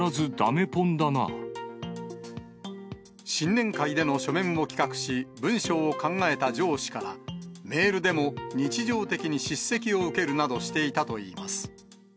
新年会での書面を企画し、文章を考えた上司から、メールでも日常的に叱責を受けるなどしていたといいます。